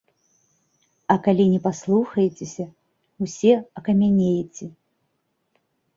А калі не паслухаецеся, усе акамянееце.